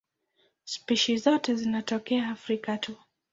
Spishi zote zinatokea Afrika tu.